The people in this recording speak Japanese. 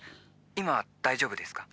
今大丈夫ですか？